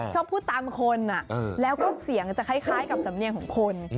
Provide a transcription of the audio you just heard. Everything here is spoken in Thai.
ชอบพูดตามคนแล้วก็เสียงจะคล้ายกับสำเนียงของคน